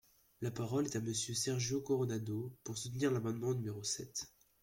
La parole est à Monsieur Sergio Coronado, pour soutenir l’amendement numéro sept.